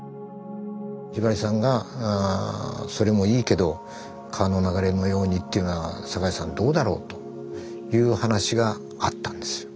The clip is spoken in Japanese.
ひばりさんがそれもいいけど「川の流れのように」っていうのは境さんどうだろう？という話があったんですよ。